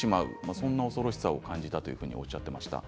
そんな恐ろしさを感じたとおっしゃっていました。